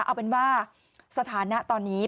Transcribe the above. เอาเป็นว่าสถานะตอนนี้